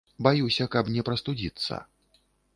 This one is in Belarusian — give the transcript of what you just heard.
Баюся, каб не прастудзіцца.